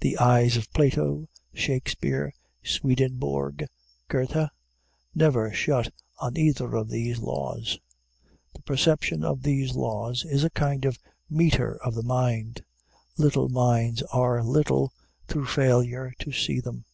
The eyes of Plato, Shakspeare, Swedenborg, Goethe, never shut on either of these laws. The perception of these laws is a kind of meter of the mind. Little minds are little, through failure to see them.